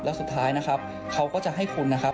แล้วสุดท้ายนะครับเขาก็จะให้คุณนะครับ